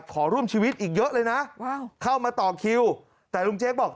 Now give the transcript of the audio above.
ขอร่วมชีวิตอีกเยอะเลยนะเข้ามาต่อคิวแต่ลุงเจ๊กบอก